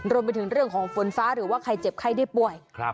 รวมไปถึงเรื่องของฝนฟ้าหรือว่าใครเจ็บไข้ได้ป่วย